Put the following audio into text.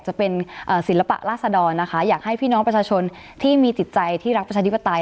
จะเป็นศิลปะราษดรนะคะอยากให้พี่น้องประชาชนที่มีจิตใจที่รักประชาธิปไตย